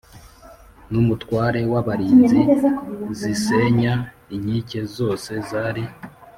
n umutware w abarinzi zisenya inkike zose zari